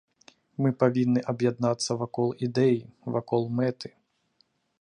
Мы павінны аб'яднацца вакол ідэі, вакол мэты.